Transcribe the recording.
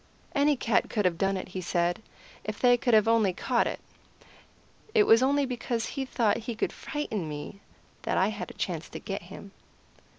"Any cat could have done it," he said, "if they could only have caught it. It was only because he thought he could frighten me that I had a chance to get him."